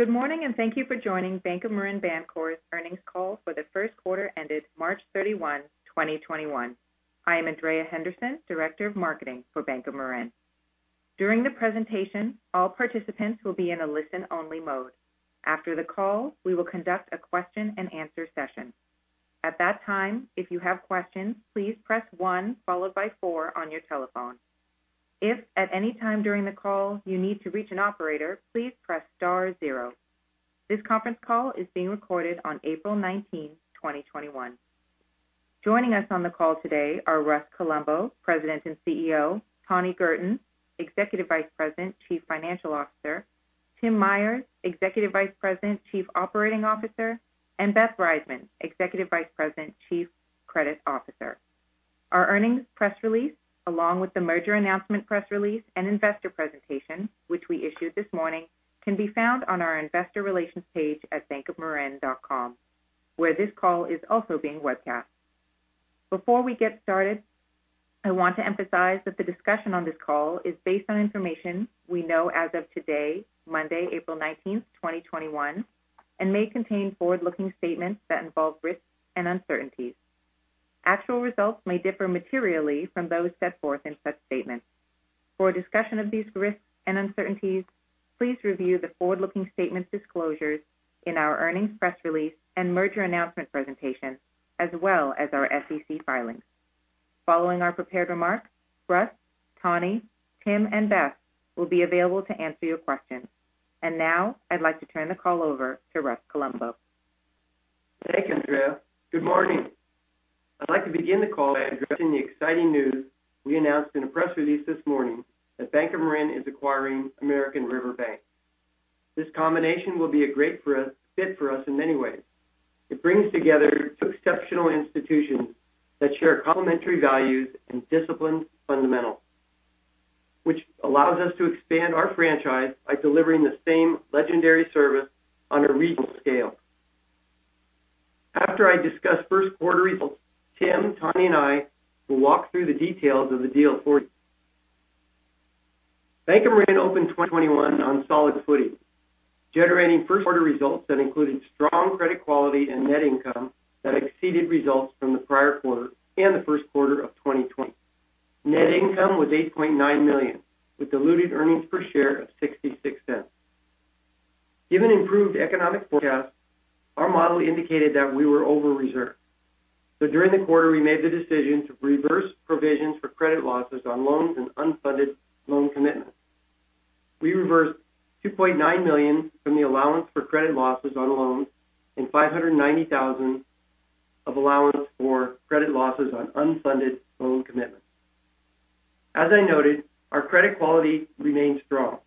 Good morning. Thank you for joining Bank of Marin Bancorp's earnings call for the first quarter ended March 31, 2021. I am Andrea Henderson, Director of Marketing for Bank of Marin. During the presentation, all participants will be in a listen-only mode. After the call, we will conduct a question-and-answer session. At that time, if you have questions, please press one followed by four on your telephone. If at any time during the call you need to reach an operator, please press star zero. This conference call is being recorded on April 19, 2021. Joining us on the call today are Russ Colombo, President and CEO, Tani Girton, Executive Vice President, Chief Financial Officer, Tim Myers, Executive Vice President, Chief Operating Officer, Beth Reizman, Executive Vice President, Chief Credit Officer. Our earnings press release, along with the merger announcement press release and investor presentation, which we issued this morning, can be found on our investor relations page at bankofmarin.com, where this call is also being webcast. Before we get started, I want to emphasize that the discussion on this call is based on information we know as of today, Monday, April 19, 2021, and may contain forward-looking statements that involve risks and uncertainties. Actual results may differ materially from those set forth in such statements. For a discussion of these risks and uncertainties, please review the forward-looking statements disclosures in our earnings press release and merger announcement presentation, as well as our SEC filings. Following our prepared remarks, Russ, Tani, Tim, and Beth will be available to answer your questions. Now I'd like to turn the call over to Russ Colombo. Thanks, Andrea. Good morning. I'd like to begin the call by addressing the exciting news we announced in a press release this morning that Bank of Marin is acquiring American River Bank. This combination will be a great fit for us in many ways. It brings together two exceptional institutions that share complementary values and disciplined fundamentals, which allows us to expand our franchise by delivering the same legendary service on a regional scale. After I discuss first quarter results, Tim, Tani, and I will walk through the details of the deal for you. Bank of Marin opened 2021 on solid footing, generating first quarter results that included strong credit quality and net income that exceeded results from the prior quarter and the first quarter of 2020. Net income was $8.9 million with diluted earnings per share of $0.66. Given improved economic forecasts, our model indicated that we were over-reserved. During the quarter, we made the decision to reverse provisions for credit losses on loans and unfunded loan commitments. We reversed $2.9 million from the allowance for credit losses on loans and $590,000 of allowance for credit losses on unfunded loan commitments. As I noted, our credit quality remains strong.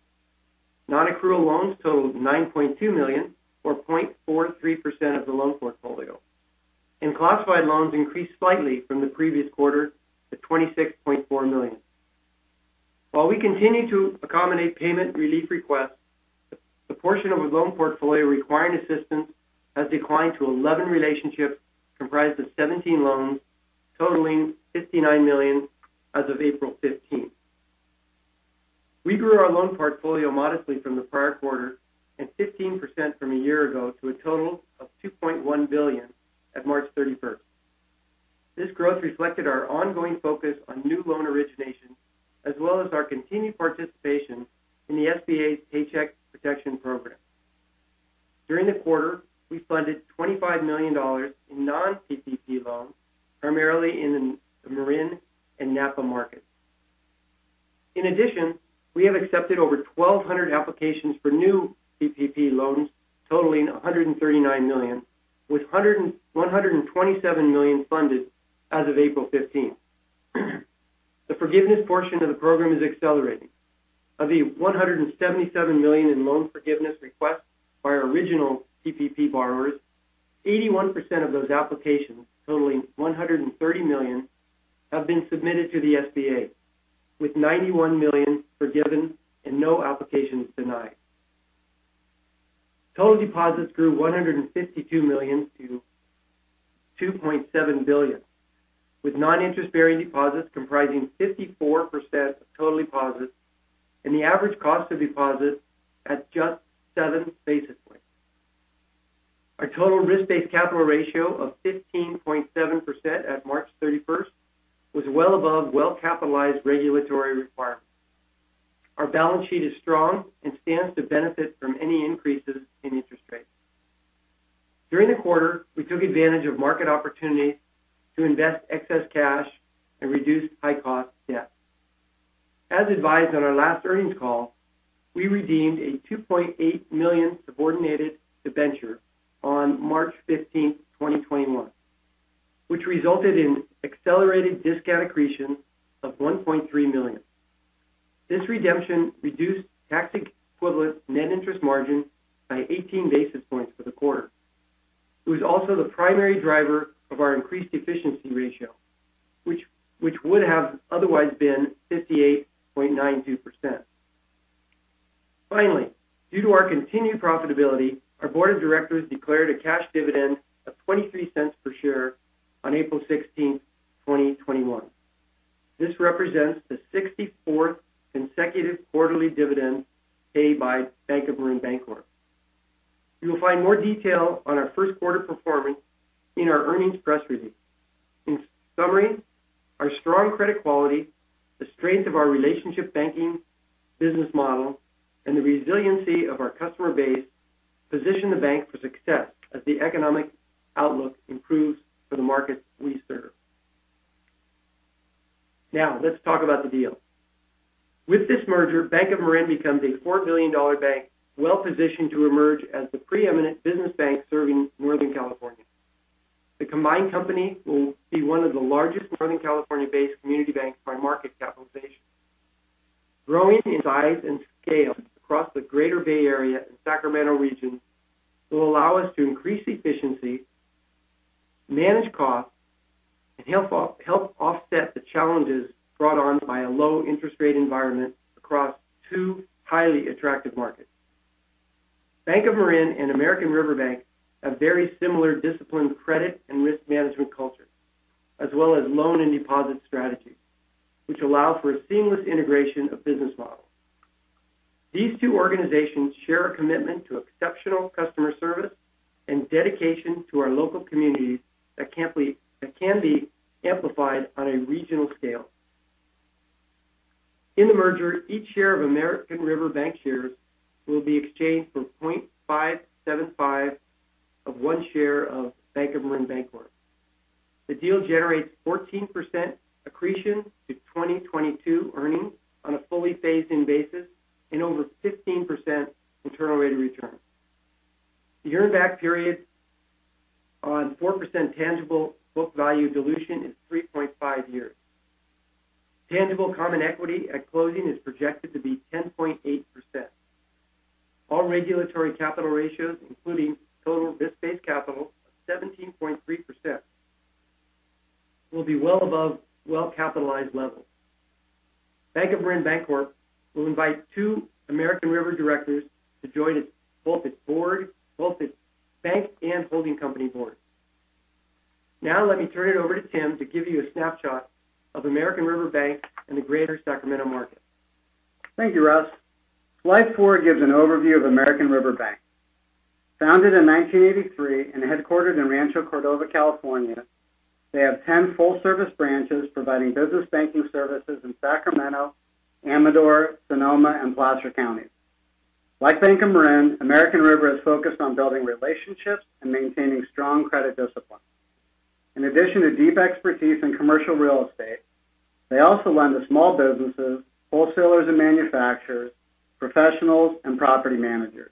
Non-accrual loans totaled $9.2 million, or 0.43% of the loan portfolio, and classified loans increased slightly from the previous quarter to $26.4 million. While we continue to accommodate payment relief requests, the portion of the loan portfolio requiring assistance has declined to 11 relationships comprised of 17 loans totaling $59 million as of April 15th. We grew our loan portfolio modestly from the prior quarter and 15% from a year ago to a total of $2.1 billion at March 31st. This growth reflected our ongoing focus on new loan originations, as well as our continued participation in the SBA's Paycheck Protection Program. During the quarter, we funded $25 million in non-PPP loans, primarily in the Marin and Napa markets. In addition, we have accepted over 1,200 applications for new PPP loans totaling $139 million, with $127 million funded as of April 15th. The forgiveness portion of the program is accelerating. Of the $177 million in loan forgiveness requests by our original PPP borrowers, 81% of those applications, totaling $130 million, have been submitted to the SBA, with $91 million forgiven and no applications denied. Total deposits grew $152 million to $2.7 billion, with non-interest-bearing deposits comprising 54% of total deposits and the average cost of deposits at just seven basis points. Our total risk-based capital ratio of 15.7% at March 31st was well above well-capitalized regulatory requirements. Our balance sheet is strong and stands to benefit from any increases in interest rates. During the quarter, we took advantage of market opportunities to invest excess cash and reduce high-cost debt. As advised on our last earnings call, we redeemed a $2.8 million subordinated debenture on March 15th, 2021, which resulted in accelerated discount accretion of $1.3 million. This redemption reduced tax-equivalent net interest margin by 18 basis points for the quarter. It was also the primary driver of our increased efficiency ratio, which would have otherwise been 58.92%. Finally, due to our continued profitability, our Board of Directors declared a cash dividend of $0.23 per share on April 16th, 2021. This represents the 64th consecutive quarterly dividend paid by Bank of Marin Bancorp. You will find more detail on our first quarter performance in our earnings press release. In summary, our strong credit quality, the strength of our relationship banking business model, and the resiliency of our customer base position Bank of Marin for success as the economic outlook improves for the markets we serve. Now, let's talk about the deal. With this merger, Bank of Marin becomes a $4 billion bank, well-positioned to emerge as the preeminent business bank serving Northern California. The combined company will be one of the largest Northern California-based community banks by market capitalization. Growing in size and scale across the Greater Bay Area and Sacramento region will allow us to increase efficiency, manage costs, and help offset the challenges brought on by a low interest rate environment across two highly attractive markets. Bank of Marin and American River Bank have very similar disciplined credit and risk management culture, as well as loan and deposit strategies, which allow for a seamless integration of business models. These two organizations share a commitment to exceptional customer service and dedication to our local communities that can be amplified on a regional scale. In the merger, each share of American River Bankshares will be exchanged for 0.575 of one share of Bank of Marin Bancorp. The deal generates 14% accretion to 2022 earnings on a fully phased-in basis and over 15% internal rate of return. The earn back period on 4% tangible book value dilution is 3.5 years. Tangible common equity at closing is projected to be 10.8%. All regulatory capital ratios, including total risk-based capital of 17.3%, will be well above well-capitalized levels. Bank of Marin Bancorp will invite two American River directors to join both its bank and holding company board. Let me turn it over to Tim to give you a snapshot of American River Bank and the Greater Sacramento market. Thank you, Russ. Slide four gives an overview of American River Bank. Founded in 1983 and headquartered in Rancho Cordova, California, they have 10 full-service branches providing business banking services in Sacramento, Amador, Sonoma, and Placer Counties. Like Bank of Marin, American River is focused on building relationships and maintaining strong credit discipline. In addition to deep expertise in commercial real estate, they also lend to small businesses, wholesalers and manufacturers, professionals, and property managers.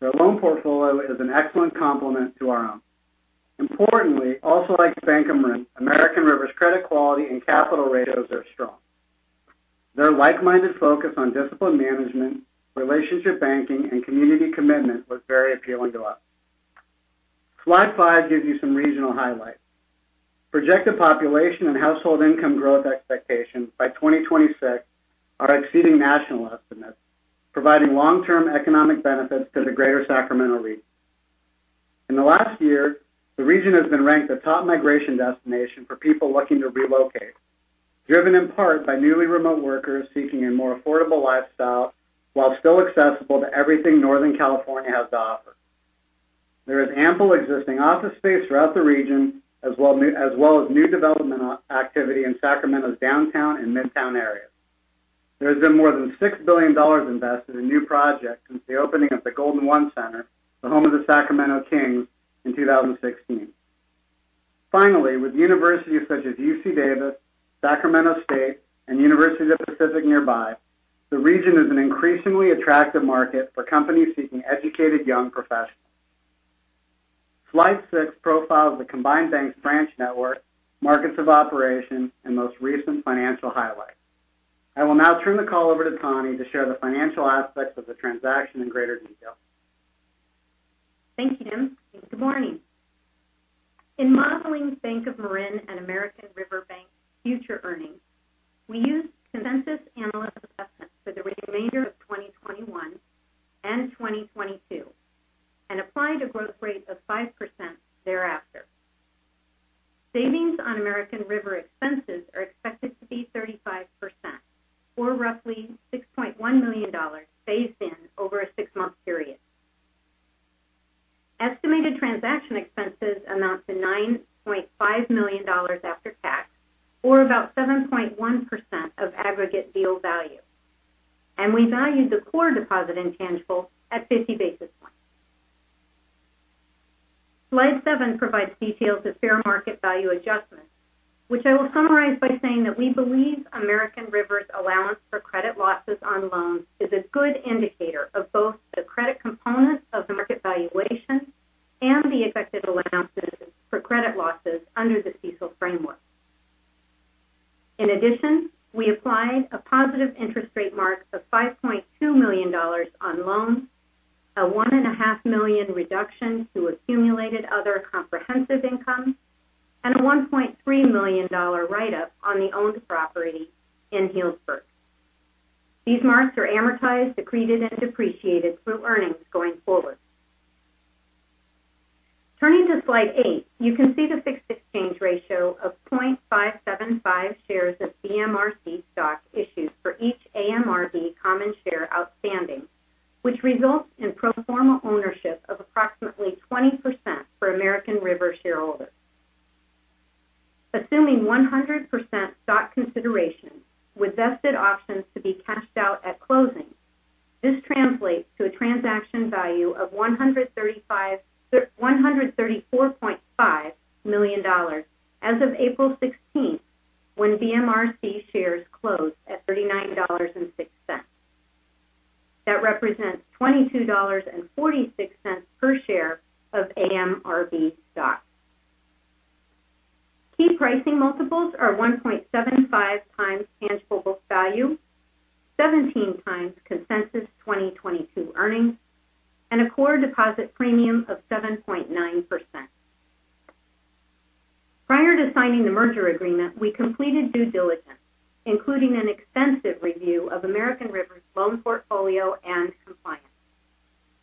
Their loan portfolio is an excellent complement to our own. Importantly, also like Bank of Marin, American River's credit quality and capital ratios are strong. Their like-minded focus on discipline management, relationship banking, and community commitment was very appealing to us. Slide five gives you some regional highlights. Projected population and household income growth expectations by 2026 are exceeding national estimates, providing long-term economic benefits to the Greater Sacramento region. In the last year, the region has been ranked a top migration destination for people looking to relocate, driven in part by newly remote workers seeking a more affordable lifestyle while still accessible to everything Northern California has to offer. There is ample existing office space throughout the region, as well as new development activity in Sacramento's downtown and midtown areas. There has been more than $6 billion invested in new projects since the opening of the Golden 1 Center, the home of the Sacramento Kings, in 2016. Finally, with universities such as UC Davis, Sacramento State, and University of the Pacific nearby, the region is an increasingly attractive market for companies seeking educated young professionals. Slide six profiles the combined bank's branch network, markets of operation, and most recent financial highlights. I will now turn the call over to Tani to share the financial aspects of the transaction in greater detail. Thank you, Tim. Good morning. In modeling Bank of Marin and American River Bank's future earnings, we used consensus analyst assessments for the remainder of 2021 and 2022 and applied a growth rate of 5% thereafter. Savings on American River expenses are expected to be 35%, or roughly $6.1 million phased in over a six-month period. Estimated transaction expenses amount to $9.5 million after tax, or about 7.1% of aggregate deal value. We valued the core deposit intangible at 50 basis points. Slide seven provides details of fair market value adjustments, which I will summarize by saying that we believe American River's allowance for credit losses on loans is a good indicator of both the credit component of the market valuation and the expected allowances for credit losses under the CECL framework. In addition, we applied a positive interest rate mark of $5.2 million on loans, a $1.5 million reduction to accumulated other comprehensive income, and a $1.3 million write-up on the owned property in Healdsburg. These marks are amortized, accreted, and depreciated through earnings going forward. Turning to slide eight, you can see the fixed exchange ratio of 0.575 shares of BMRC stock issued for each AMRB common share outstanding, which results in pro forma ownership of approximately 20% for American River shareholders. Assuming 100% stock consideration with vested options to be cashed out at closing, this translates to a transaction value of $134.5 million as of April 16th, when BMRC shares closed at $39.06. That represents $22.46 per share of AMRB stock. Key pricing multiples are 1.75x tangible book value, 17x consensus 2022 earnings, and a core deposit premium of 7.9%. Prior to signing the merger agreement, we completed due diligence, including an extensive review of American River's loan portfolio and compliance.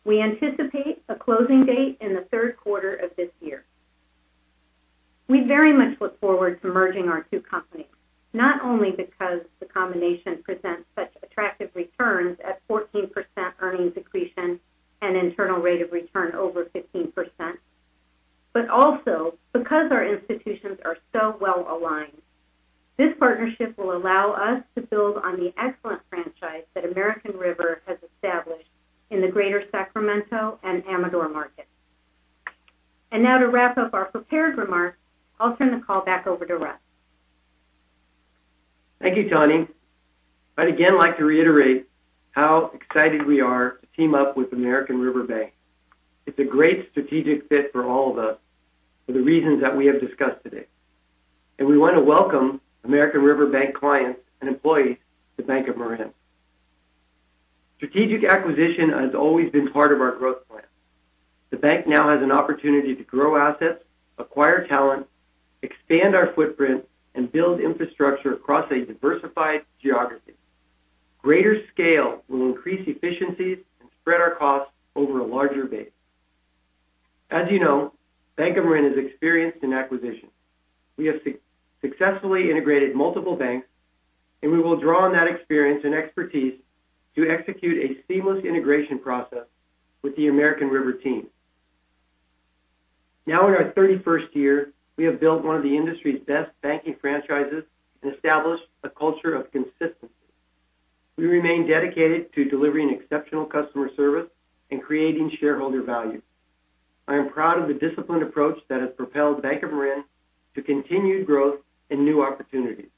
We anticipate a closing date in the third quarter of this year. We very much look forward to merging our two companies, not only because the combination presents such attractive returns at 14% earnings accretion and internal rate of return over 15%, but also because our institutions are so well-aligned. This partnership will allow us to build on the excellent franchise that American River has established in the Greater Sacramento and Amador markets. Now to wrap up our prepared remarks, I'll turn the call back over to Russ. Thank you, Tani. I'd again like to reiterate how excited we are to team up with American River Bank. It's a great strategic fit for all of us for the reasons that we have discussed today. We want to welcome American River Bank clients and employees to Bank of Marin. Strategic acquisition has always been part of our growth plan. The bank now has an opportunity to grow assets, acquire talent, expand our footprint, and build infrastructure across a diversified geography. Greater scale will increase efficiencies and spread our costs over a larger base. As you know, Bank of Marin is experienced in acquisition. We have successfully integrated multiple banks, and we will draw on that experience and expertise to execute a seamless integration process with the American River team. Now in our 31st year, we have built one of the industry's best banking franchises and established a culture of consistency. We remain dedicated to delivering exceptional customer service and creating shareholder value. I am proud of the disciplined approach that has propelled Bank of Marin to continued growth and new opportunities.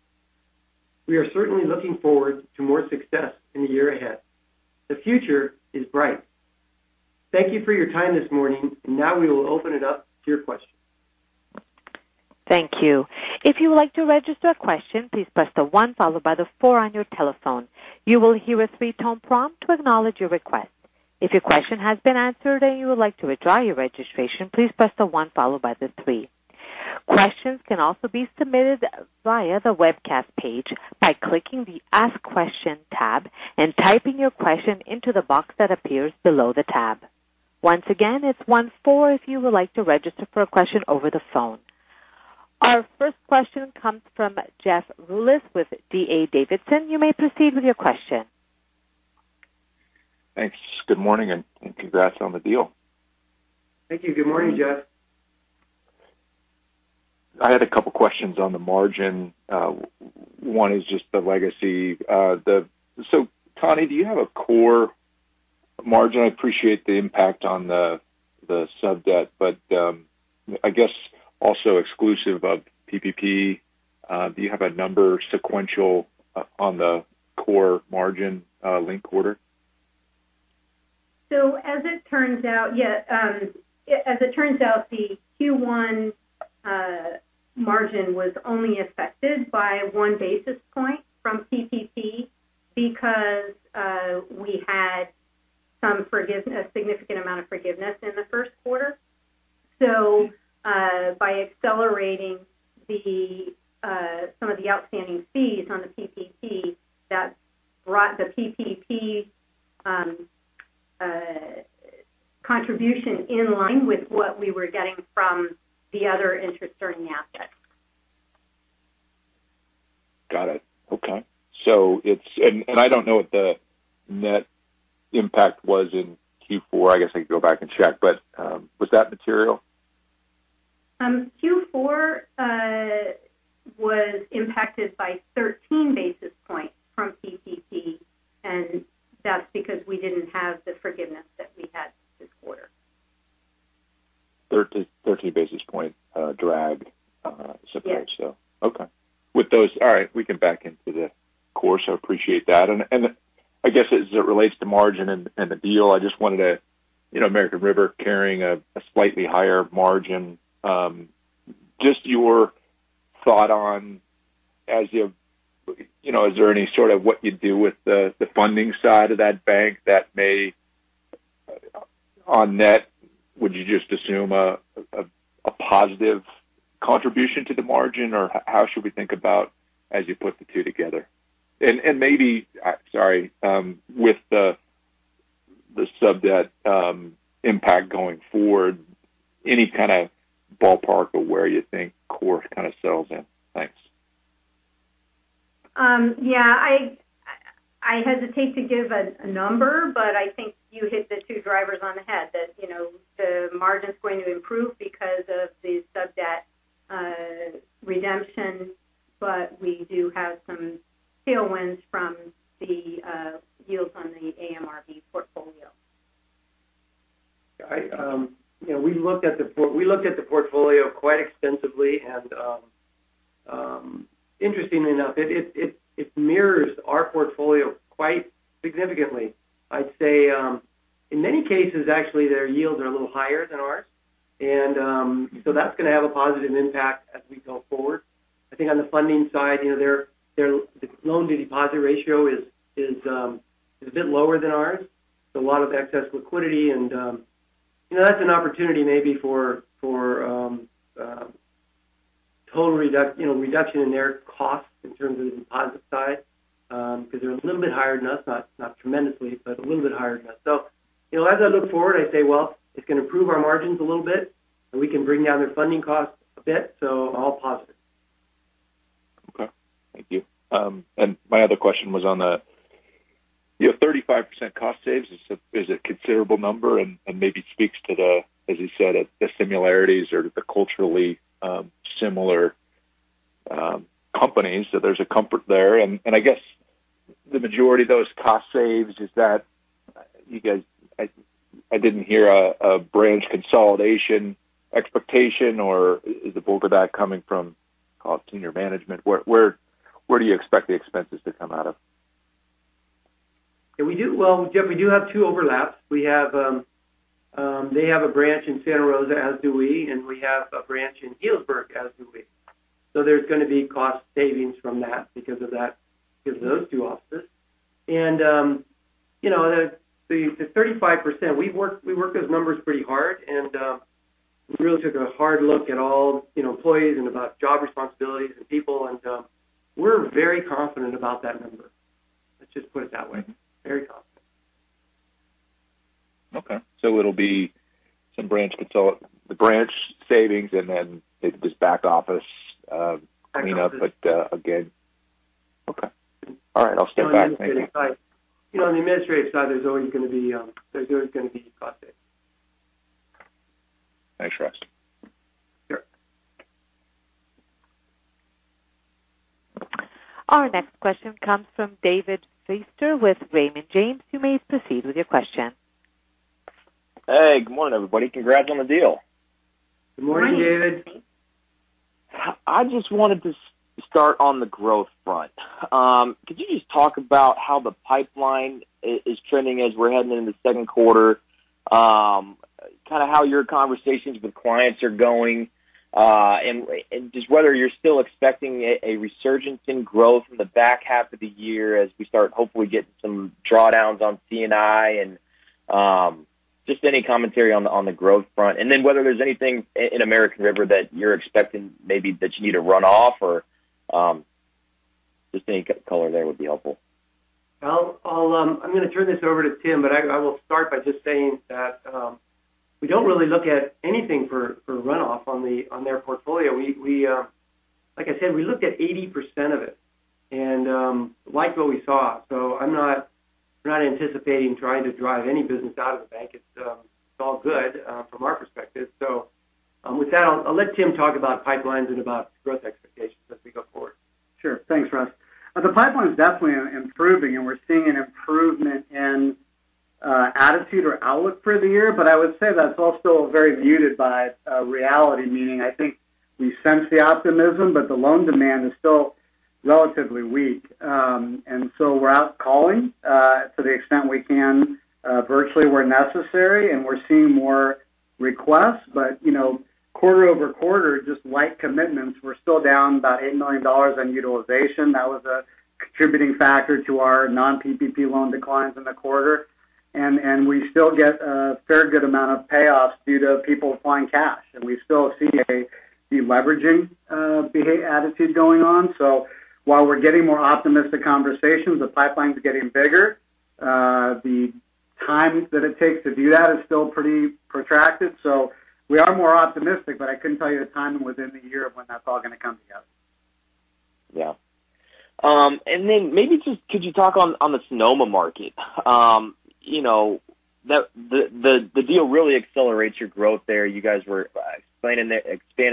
We are certainly looking forward to more success in the year ahead. The future is bright. Thank you for your time this morning, and now we will open it up to your questions. Thank you. If you would like to register a question, please press the one followed by the four on your telephone. You will hear a three-tone prompt to acknowledge your request. If your question has been answered and you would like to withdraw your registration, please press the one followed by the three. Questions can also be submitted via the webcast page by clicking the Ask Question tab and typing your question into the box that appears below the tab. Once again, it's one-four if you would like to register for a question over the phone. Our first question comes from Jeff Rulis with D.A. Davidson. You may proceed with your question. Thanks. Good morning, and congrats on the deal. Thank you. Good morning, Jeff. I had a couple questions on the margin. One is just the legacy. Tani, do you have a core margin? I appreciate the impact on the sub-debt, but I guess also exclusive of PPP, do you have a number sequential on the core margin linked quarter? As it turns out, the Q1 margin was only affected by one basis point from PPP because we had a significant amount of forgiveness in the first quarter. By accelerating some of the outstanding fees on the PPP, that brought the PPP contribution in line with what we were getting from the other interest-earning assets. Got it. Okay. I don't know what the net impact was in Q4. I guess I could go back and check, was that material? Q4 was impacted by 13 basis points from PPP, and that's because we didn't have the forgiveness that we had this quarter. 13 basis point drag supposedly. Yes. Okay. All right. We can back into the core, so appreciate that. I guess as it relates to margin and the deal, American River carrying a slightly higher margin. Just your thought on is there any sort of what you do with the funding side of that bank that may on net, would you just assume a positive contribution to the margin, or how should we think about as you put the two together? Maybe, sorry, with the sub-debt impact going forward, any kind of ballpark of where you think core kind of settles in? Thanks. Yeah. I hesitate to give a number, but I think you hit the two drivers on the head that the margin's going to improve because of the sub-debt redemption, but we do have some tailwinds from the yields on the AMRB portfolio. We looked at the portfolio quite extensively, and interestingly enough, it mirrors our portfolio quite significantly. I'd say, in many cases, actually, their yields are a little higher than ours. That's going to have a positive impact as we go forward. I think on the funding side, their loan-to-deposit ratio is a bit lower than ours. A lot of excess liquidity and, that's an opportunity maybe for total reduction in their costs in terms of the deposit side, because they're a little bit higher than us, not tremendously, but a little bit higher than us. As I look forward, I say, well, it's going to improve our margins a little bit, and we can bring down their funding costs a bit, so all positive. Okay. Thank you. My other question was on the 35% cost saves is a considerable number, maybe it speaks to the, as you said, the similarities or the culturally similar companies, so there's a comfort there. I guess the majority of those cost saves, I didn't hear a branch consolidation expectation, or is the bulk of that coming from senior management? Where do you expect the expenses to come out of? Well, Jeff, we do have two overlaps. They have a branch in Santa Rosa, as do we, and we have a branch in Healdsburg, as do we. There's going to be cost savings from that because of those two offices. The 35%, we worked those numbers pretty hard, and we really took a hard look at all employees and about job responsibilities and people, and we're very confident about that number. Let's just put it that way. Very confident. Okay. It'll be the branch savings and then just back office. Back office. Cleanup, but again. Okay. All right. I'll step back. Thank you. On the administrative side, there's always going to be cost savings. Thanks, Russ. Sure. Our next question comes from David Feaster with Raymond James. You may proceed with your question. Hey, good morning, everybody. Congrats on the deal. Good morning. Good morning. I just wanted to start on the growth front. Could you just talk about how the pipeline is trending as we're heading into the second quarter? Kind of how your conversations with clients are going, and just whether you're still expecting a resurgence in growth in the back half of the year as we start hopefully get some drawdowns on C&I, and just any commentary on the growth front. Whether there's anything in American River that you're expecting maybe that you need to run off or just any color there would be helpful. I'm going to turn this over to Tim, but I will start by just saying that we don't really look at anything for runoff on their portfolio. Like I said, we looked at 80% of it and liked what we saw. I'm not anticipating trying to drive any business out of the bank. It's all good from our perspective. With that, I'll let Tim talk about pipelines and about growth expectations as we go forward. Sure. Thanks, Russ. The pipeline is definitely improving, we're seeing an improvement in attitude or outlook for the year. I would say that's also very muted by reality, meaning I think we sense the optimism, but the loan demand is still relatively weak. We're out calling to the extent we can virtually where necessary, and we're seeing more requests. Quarter-over-quarter, just light commitments, we're still down about $8 million on utilization. That was a contributing factor to our non-PPP loan declines in the quarter. We still get a fair good amount of payoffs due to people finding cash. We still see a de-leveraging attitude going on. While we're getting more optimistic conversations, the pipeline's getting bigger. The time that it takes to do that is still pretty protracted. We are more optimistic, but I couldn't tell you the timing within the year of when that's all going to come together. Yeah. Maybe just could you talk on the Sonoma market? The deal really accelerates your growth there. You guys were expanding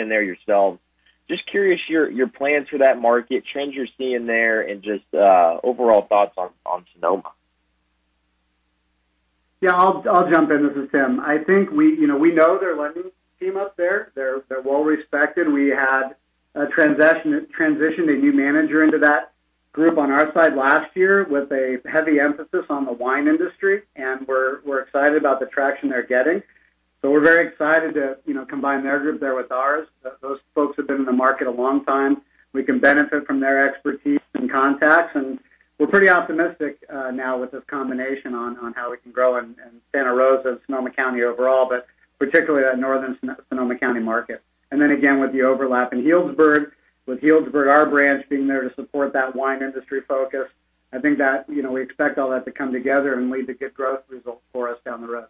there yourselves. Just curious your plans for that market, trends you're seeing there, and just overall thoughts on Sonoma. I'll jump in. This is Tim. I think we know their lending team up there. They're well respected. We had transitioned a new manager into that group on our side last year with a heavy emphasis on the wine industry, and we're excited about the traction they're getting. We're very excited to combine their group there with ours. Those folks have been in the market a long time. We can benefit from their expertise and contacts, and we're pretty optimistic now with this combination on how we can grow in Santa Rosa, Sonoma County overall, but particularly that northern Sonoma County market. With the overlap in Healdsburg, with Healdsburg, our branch being there to support that wine industry focus, I think that we expect all that to come together and lead to good growth results for us down the road.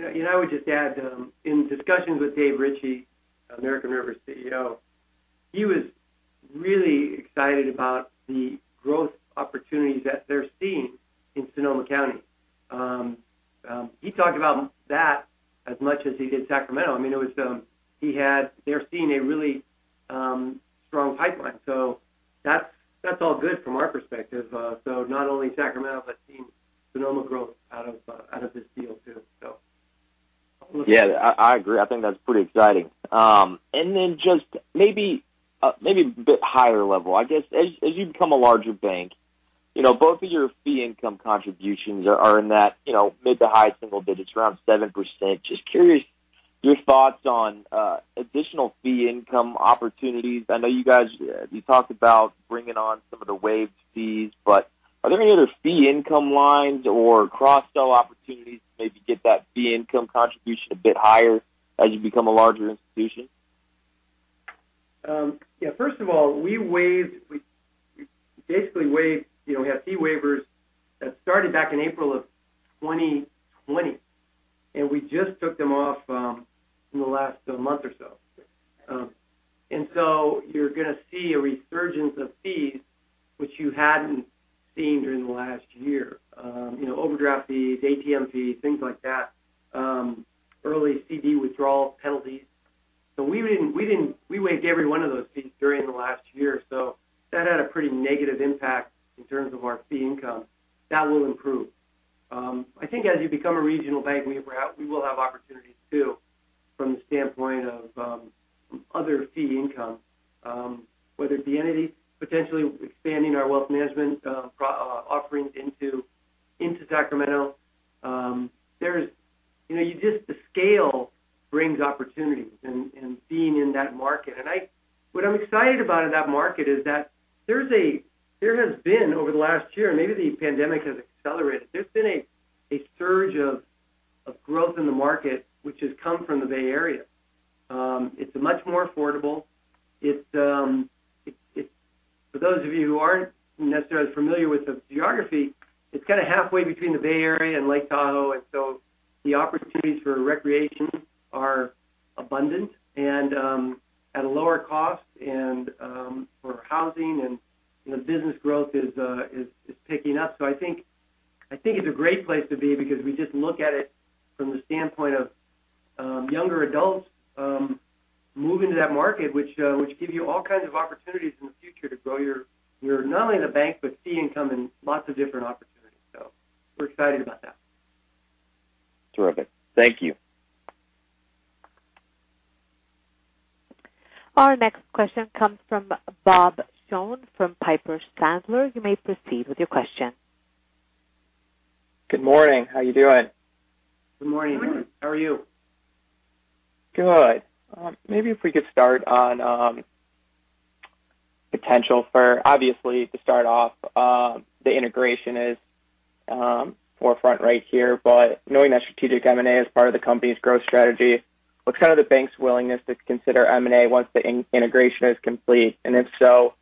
I would just add, in discussions with Dave Ritchie, American River's CEO, he was really excited about the growth opportunities that they're seeing in Sonoma County. He talked about that as much as he did Sacramento. They're seeing a really strong pipeline. That's all good from our perspective. Not only Sacramento, but seeing Sonoma growth out of this deal too. Yeah, I agree. I think that's pretty exciting. Just maybe a bit higher level, I guess, as you become a larger bank, both of your fee income contributions are in that mid to high single digits, around 7%. Just curious, your thoughts on additional fee income opportunities. I know you guys, you talked about bringing on some of the waived fees, are there any other fee income lines or cross-sell opportunities to maybe get that fee income contribution a bit higher as you become a larger institution? First of all, we basically have fee waivers that started back in April of 2020, and we just took them off in the last month or so. You're going to see a resurgence of fees, which you hadn't seen during the last year. Overdraft fees, ATM fees, things like that. Early CD withdrawal penalties. We waived every one of those fees during the last year. That had a pretty negative impact in terms of our fee income. That will improve. I think as you become a regional bank, we will have opportunities too, from the standpoint of other fee income, whether it be entity, potentially expanding our wealth management offerings into Sacramento. Just the scale brings opportunities and being in that market. What I'm excited about in that market is that there has been over the last year, maybe the pandemic has accelerated. There's been a surge of growth in the market, which has come from the Bay Area. It's much more affordable. For those of you who aren't necessarily familiar with the geography, it's kind of halfway between the Bay Area and Lake Tahoe, and so the opportunities for recreation are abundant and at a lower cost and for housing, and business growth is picking up. I think it's a great place to be because we just look at it from the standpoint of younger adults moving to that market, which give you all kinds of opportunities in the future to grow your, not only the bank, but fee income and lots of different opportunities. We're excited about that. Terrific. Thank you. Our next question comes from Bob Shone from Piper Sandler. You may proceed with your question. Good morning. How are you doing? Good morning. Good morning. How are you? Good. Maybe if we could start on obviously to start off, the integration is forefront right here, but knowing that strategic M&A is part of the company's growth strategy, what's kind of the bank's willingness to consider M&A once the integration is complete? If so,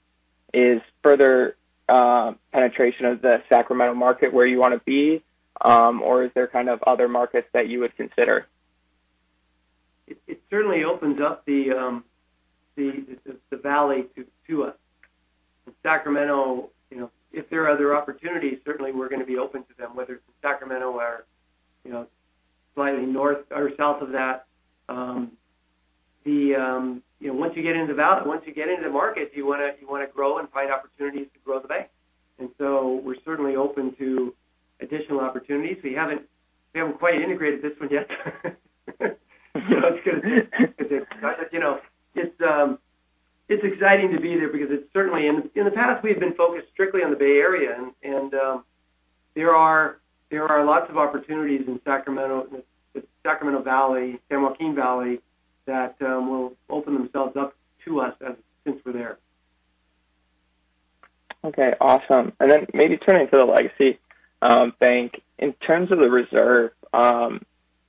is further penetration of the Sacramento market where you want to be? Or is there kind of other markets that you would consider? It certainly opens up the valley to us. In Sacramento, if there are other opportunities, certainly we're going to be open to them, whether it's in Sacramento or slightly north or south of that. Once you get into market, you want to grow and find opportunities to grow the bank. We're certainly open to additional opportunities. We haven't quite integrated this one yet. It's exciting to be there because in the past, we've been focused strictly on the Bay Area, and there are lots of opportunities in Sacramento Valley, San Joaquin Valley, that will open themselves up to us since we're there. Okay, awesome. Then maybe turning to the legacy bank. In terms of the reserve,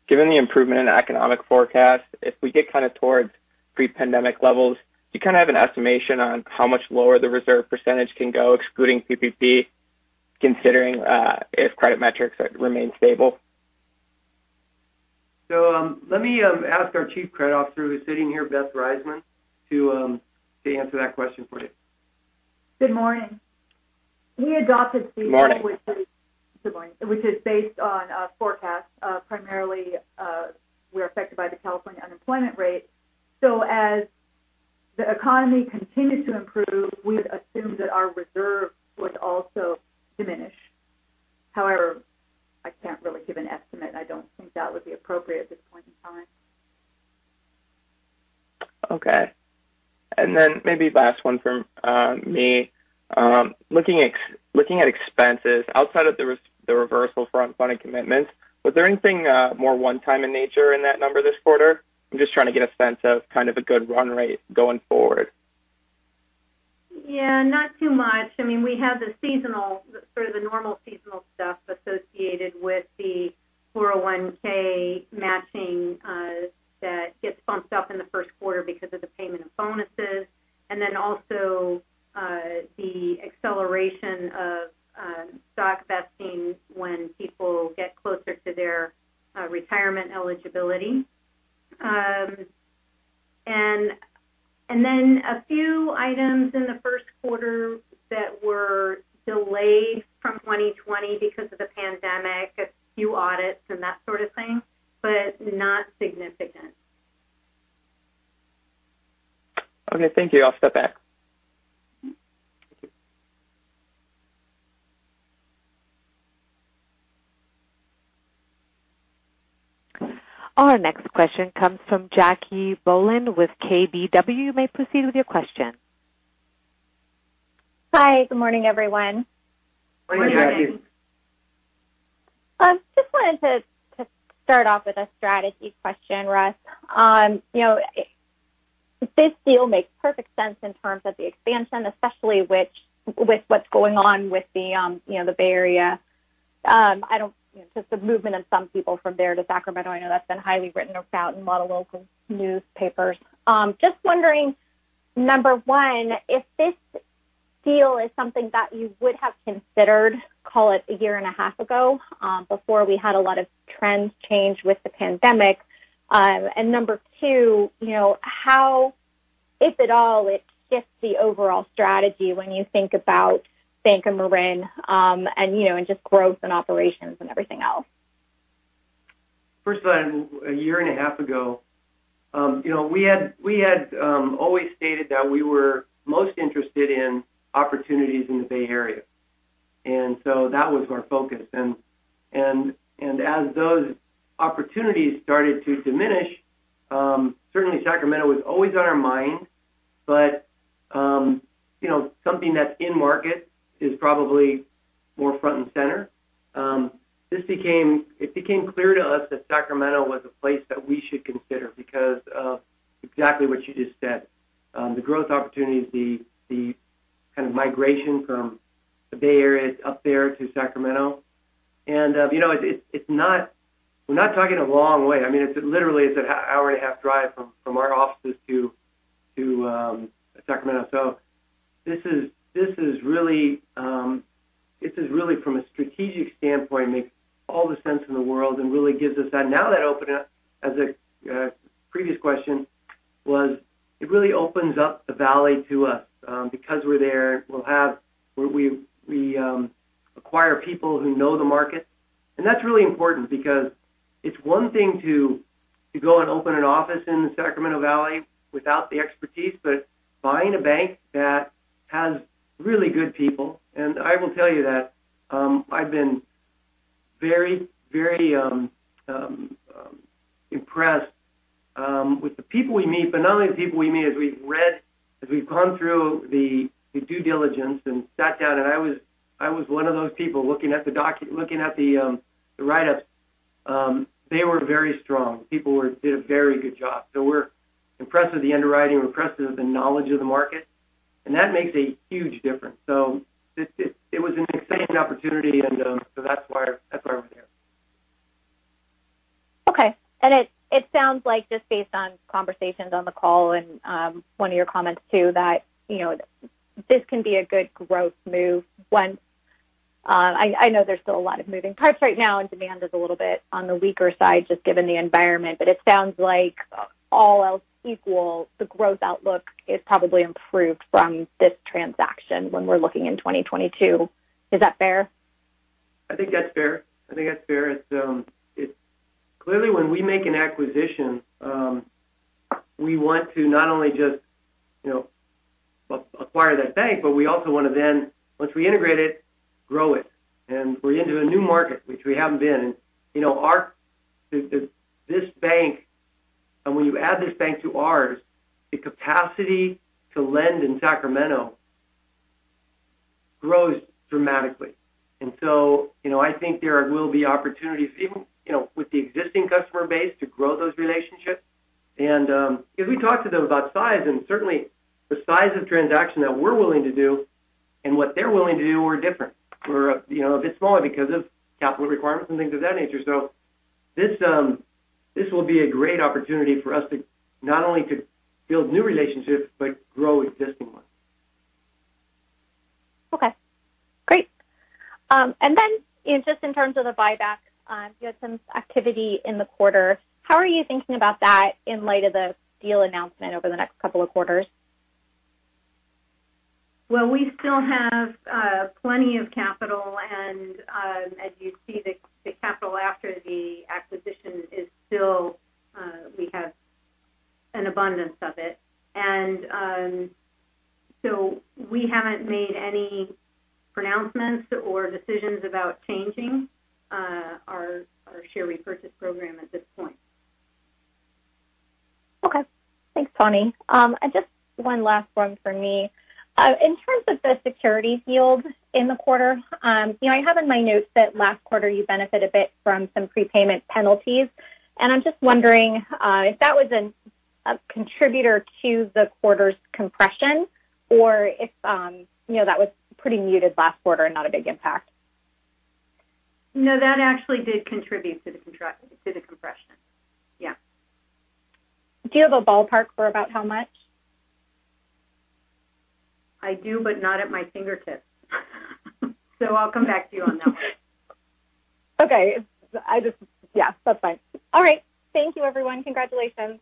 given the improvement in economic forecast, if we get kind of towards pre-pandemic levels, do you have an estimation on how much lower the reserve % can go, excluding PPP, considering if credit metrics remain stable? Let me ask our Chief Credit Officer, who's sitting here, Beth Reizman, to answer that question for you. Good morning. We adopted. Morning. Good morning. Which is based on forecasts. Primarily, we're affected by the California unemployment rate. As the economy continued to improve, we would assume that our reserve would also diminish. However, I can't really give an estimate, and I don't think that would be appropriate at this point in time. Okay. Maybe last one from me. Looking at expenses, outside of the reversal for unfunded commitments, was there anything more one time in nature in that number this quarter? I'm just trying to get a sense of kind of a good run rate going forward. Yeah, not too much. We have the normal seasonal stuff associated with the 401(k) matching that gets bumped up in the first quarter because of the payment of bonuses. Also the acceleration of stock vesting when people get closer to their retirement eligibility. A few items in the first quarter that were delayed from 2020 because of the pandemic, a few audits and that sort of thing, but not significant. Okay, thank you. I'll step back. Our next question comes from Jackie Boland with KBW. You may proceed with your question. Hi. Good morning, everyone. Morning, Jackie. Morning. Just wanted to start off with a strategy question, Russ. This deal makes perfect sense in terms of the expansion, especially with what's going on with the Bay Area. Just the movement of some people from there to Sacramento. I know that's been highly written about in a lot of local newspapers. Just wondering, number one, if this deal is something that you would have considered, call it a year and a half ago, before we had a lot of trends change with the pandemic. Number two, how, if at all, it shifts the overall strategy when you think about Bank of Marin and just growth and operations and everything else. First one, a year and a half ago, we had always stated that we were most interested in opportunities in the Bay Area. That was our focus. As those opportunities started to diminish, certainly Sacramento was always on our mind, but something that's in market is probably more front and center. It became clear to us that Sacramento was a place that we should consider because of exactly what you just said. The growth opportunities, the kind of migration from the Bay Area up there to Sacramento. We're not talking a long way. Literally, it's an hour and a half drive from our offices to Sacramento. This is really, from a strategic standpoint, makes all the sense in the world and really gives us that. Now that opened up, as the previous question was, it really opens up the valley to us. Because we're there, we acquire people who know the market. That's really important because it's one thing to go and open an office in the Sacramento Valley without the expertise, but buying a bank that has really good people. I will tell you that I've been very impressed with the people we meet. Not only the people we meet, as we've gone through the due diligence and sat down, and I was one of those people looking at the write-ups. They were very strong. The people did a very good job. We're impressed with the underwriting. We're impressed with the knowledge of the market, and that makes a huge difference. It was an exciting opportunity, and so that's why we're there. Okay. It sounds like just based on conversations on the call and one of your comments, too, that this can be a good growth move. I know there's still a lot of moving parts right now, and demand is a little bit on the weaker side, just given the environment. It sounds like all else equal, the growth outlook is probably improved from this transaction when we're looking in 2022. Is that fair? I think that's fair. Clearly, when we make an acquisition, we want to not only just acquire that bank, but we also want to then, once we integrate it, grow it. We're into a new market, which we haven't been. This bank, when you add this bank to ours, the capacity to lend in Sacramento grows dramatically. I think there will be opportunities even with the existing customer base to grow those relationships. Because we talked to them about size, and certainly the size of transaction that we're willing to do and what they're willing to do are different. We're a bit smaller because of capital requirements and things of that nature. This will be a great opportunity for us not only to build new relationships but grow existing ones. Okay, great. Just in terms of the buyback, you had some activity in the quarter. How are you thinking about that in light of the deal announcement over the next couple of quarters? We still have plenty of capital, and as you see, the capital after the acquisition, we have an abundance of it. We haven't made any pronouncements or decisions about changing our share repurchase program at this point. Okay. Thanks, Tani. Just one last one from me. In terms of the securities yield in the quarter, I have in my notes that last quarter you benefit a bit from some prepayment penalties. I'm just wondering if that was a contributor to the quarter's compression or if that was pretty muted last quarter and not a big impact. No, that actually did contribute to the compression. Yeah. Do you have a ballpark for about how much? I do, but not at my fingertips. I'll come back to you on that one. Okay. Yeah, that's fine. All right. Thank you, everyone. Congratulations.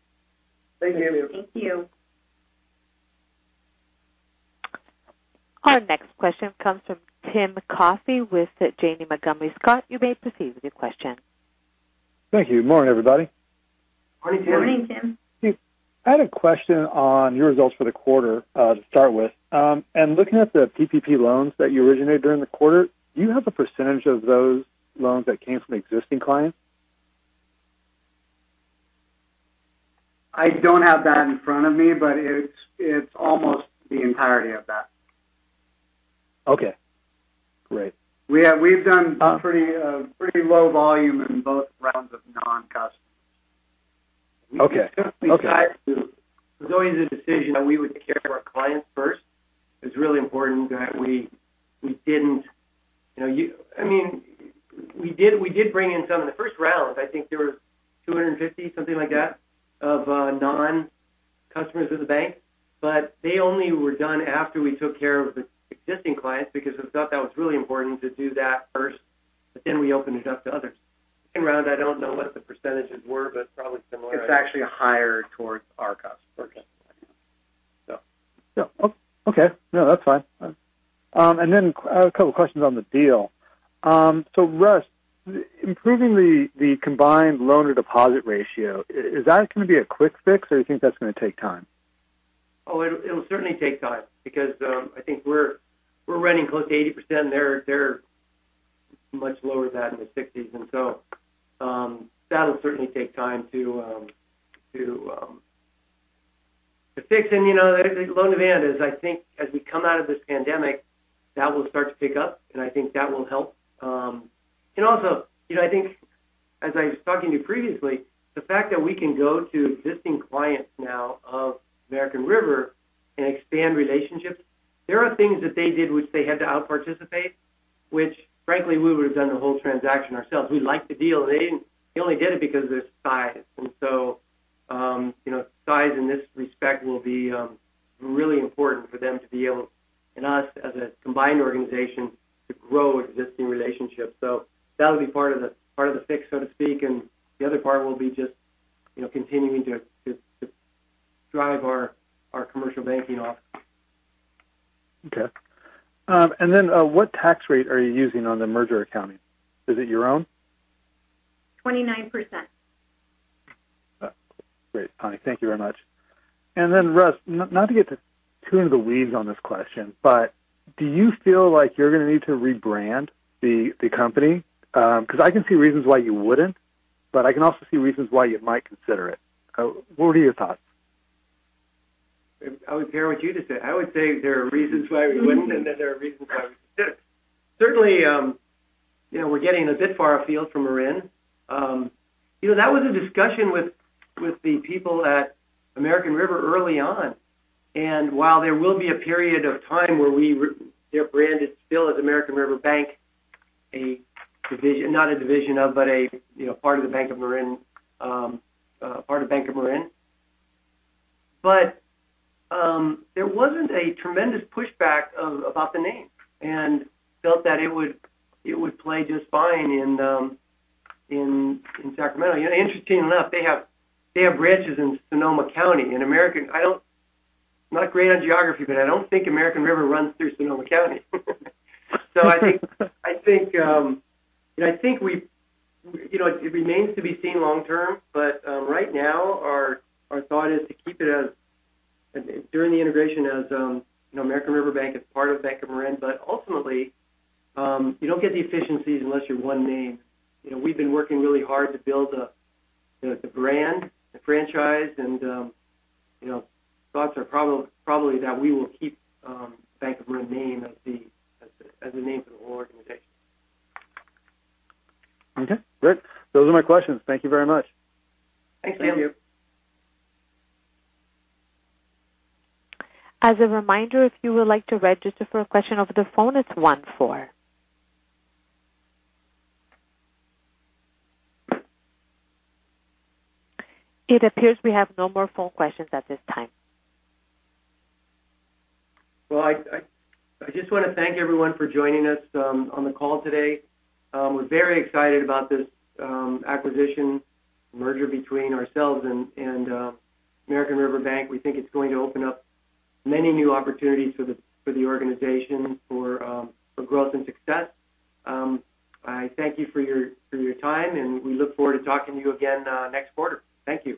Thank you. Thank you. Our next question comes from Tim Coffey with Janney Montgomery Scott. You may proceed with your question. Thank you. Morning, everybody. Morning, Tim. Morning, Tim. I had a question on your results for the quarter to start with. In looking at the PPP loans that you originated during the quarter, do you have a % of those loans that came from existing clients? I don't have that in front of me, but it's almost the entirety of that. Okay, great. We've done pretty low volume in both rounds of non-customers. Okay. It was always a decision that we would care for our clients first. It was really important that we didn't. We did bring in some in the first round. I think there were 250, something like that, of non-customers of the Bank of Marin. They only were done after we took care of the existing clients because we thought that was really important to do that first. We opened it up to others. Second round, I don't know what the percentages were, but probably similar. It's actually higher towards our customers. Okay. Okay. No, that's fine. Then a couple questions on the deal. Russ, improving the combined loan-to-deposit ratio, is that going to be a quick fix, or you think that's going to take time? Oh, it'll certainly take time because I think we're running close to 80% there. Much lower than in the 60s. That'll certainly take time to fix. The loan demand is, I think as we come out of this pandemic, that will start to pick up, and I think that will help. Also, I think as I was talking to you previously, the fact that we can go to existing clients now of American River and expand relationships. There are things that they did which they had to out-participate, which frankly, we would've done the whole transaction ourselves. We liked the deal. They only did it because of their size. Size in this respect will be really important for them to be able, and us as a combined organization, to grow existing relationships. That'll be part of the fix, so to speak. The other part will be just continuing to drive our commercial banking up. Okay. Then what tax rate are you using on the merger accounting? Is it your own? 29%. Great, Tani. Thank you very much. Then Russ, not to get too into the weeds on this question, but do you feel like you're going to need to rebrand the company? Because I can see reasons why you wouldn't, but I can also see reasons why you might consider it. What are your thoughts? I would pair with you to say I would say there are reasons why we wouldn't, and then there are reasons why we would. Certainly, we're getting a bit far afield from Marin. That was a discussion with the people at American River early on. While there will be a period of time where they're branded still as American River Bank, not a division of, but a part of the Bank of Marin. There wasn't a tremendous pushback about the name and felt that it would play just fine in Sacramento. Interesting enough, they have branches in Sonoma County. I'm not great on geography, but I don't think American River runs through Sonoma County. I think it remains to be seen long term, but right now, our thought is to keep it during the integration as American River Bank as part of Bank of Marin. Ultimately, you don't get the efficiencies unless you're one name. We've been working really hard to build the brand, the franchise, and thoughts are probably that we will keep Bank of Marin name as the name for the whole organization. Okay, great. Those are my questions. Thank you very much. Thanks. Thank you. As a reminder if you would like to register for a question over the phone it's once. It appears we have no more phone questions at this time. Well, I just want to thank everyone for joining us on the call today. We're very excited about this acquisition merger between ourselves and American River Bank. We think it's going to open up many new opportunities for the organization for growth and success. I thank you for your time, and we look forward to talking to you again next quarter. Thank you.